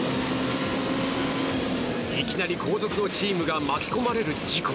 いきなり後続のチームが巻き込まれる事故。